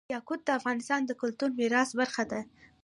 یاقوت د افغانستان د کلتوري میراث برخه ده.